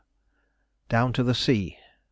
DOWN TO THE SEA.